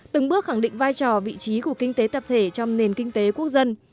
từng bước khẳng định vai trò vị trí của kinh tế tập thể trong nền kinh tế quốc dân